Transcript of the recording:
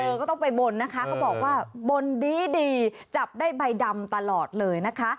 ก็ต้องไปบนนะคะเขาบอกว่าบนดีจับได้ใบดำตลอดเลยนะคะ